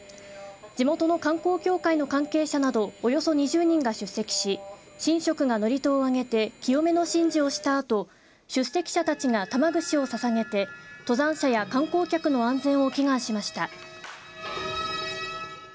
地元観光協会の関係者などおよそ２０人が出席し神職が祝詞をあげて清めの神事をしたあと出席者たちが玉串をささげて登山者や観光客の安全を祈願しました。